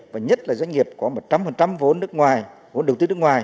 và nhất là doanh nghiệp có một trăm linh vốn đầu tư nước ngoài